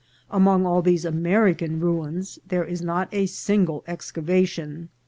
Among all these American ruins there is not a sin gle excavation.